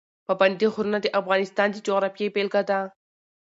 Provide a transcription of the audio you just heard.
پابندی غرونه د افغانستان د جغرافیې بېلګه ده.